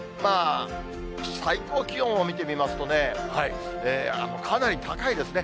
最高気温を見てみますとね、かなり高いですね。